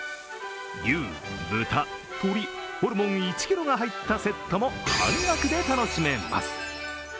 牛・豚・鶏・ホルモン１ｋｇが入ったセットも半額で楽しめます。